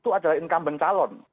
itu adalah incumbent calon